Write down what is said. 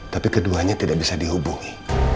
tapi keduanya tidak bisa dihubungi